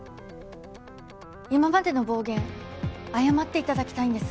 今までの暴言謝っていただきたいんです。